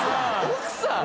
奥さん？